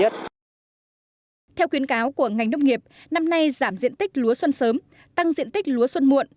theo khuyến cáo của ngành nông nghiệp năm nay giảm diện tích lúa xuân sớm tăng diện tích lúa xuân muộn